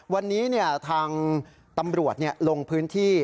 วันนี้ทางตำรวจลงพื้นที่